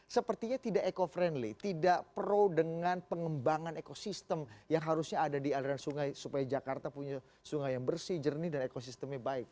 sepertinya tidak eco friendly tidak pro dengan pengembangan ekosistem yang harusnya ada di aliran sungai supaya jakarta punya sungai yang bersih jernih dan ekosistemnya baik